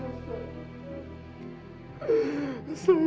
potong aja tangannya